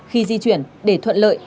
khi di chuyển để thuận lợi